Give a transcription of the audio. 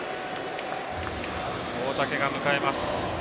大竹が迎えます。